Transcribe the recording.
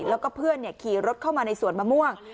แล้วก็เพื่อนขี่รถเข้ามาในสวนมะม่วง